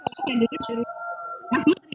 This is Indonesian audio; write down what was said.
masalahnya juga dari mas mery